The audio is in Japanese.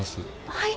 はい。